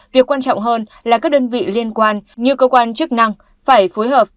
việc quan trọng hơn là các đơn vị liên quan như cơ quan chức năng phải phối hợp